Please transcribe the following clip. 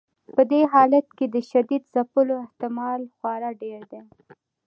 په دې حالت کې د شدید ځپلو احتمال خورا ډیر دی.